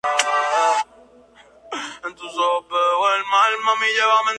se procedería a la destrucción de la máquina